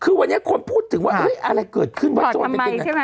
คือวันนี้คนพูดถึงว่าอะไรเกิดขึ้นวะโจรจะเป็นไง